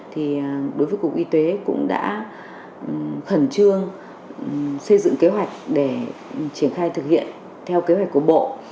thì đối với cục y tế cũng đã khẩn trương xây dựng kế hoạch để triển khai thực hiện theo kế hoạch của bộ